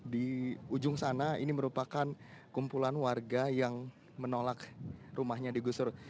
di ujung sana ini merupakan kumpulan warga yang menolak rumahnya digusur